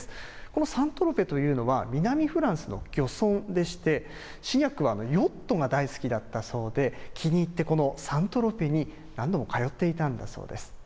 このサン・トロペというのは、南フランスの漁村でして、シニャックはヨットが大好きだったそうで、気に入って、このサン・トロペに何度も通っていたんだそうです。